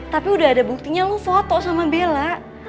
tapi udah ada buktinya lo foto sama bella